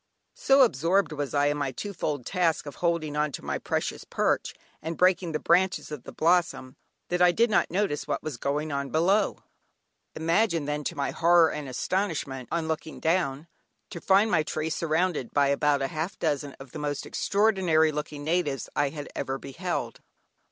So absorbed was I in my two fold task of holding on to my precarious perch, and breaking the branches of blossom, that I did not notice what was going on below. Imagine then my horror and astonishment, on looking down, to find my tree surrounded by about a dozen of the most extraordinary looking natives I had ever beheld.